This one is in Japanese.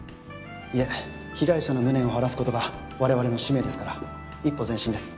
いえ被害者の無念を晴らすことが我々の使命ですから一歩前進です。